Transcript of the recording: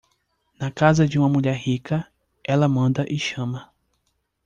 Na casa de uma mulher rica, ela manda e chama.